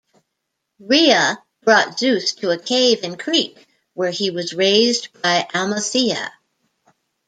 Rhea brought Zeus to a cave in Crete, where he was raised by Amalthea.